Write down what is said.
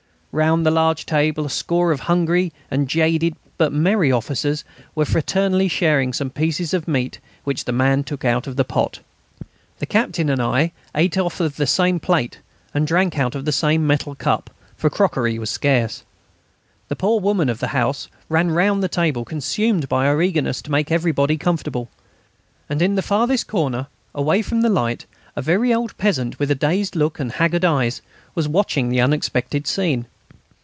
Round the large table a score of hungry and jaded but merry officers were fraternally sharing some pieces of meat which the man took out of the pot. The Captain and I ate out of the same plate and drank out of the same metal cup, for crockery was scarce. The poor woman of the house ran round the table, consumed by her eagerness to make everybody comfortable. And in the farthest corner, away from the light, a very old peasant, with a dazed look and haggard eyes, was watching the unexpected scene.